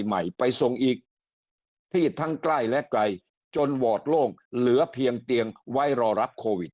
ใหม่ไปส่งอีกที่ทั้งใกล้และไกลจนวอร์ดโล่งเหลือเพียงเตียงไว้รอรับโควิด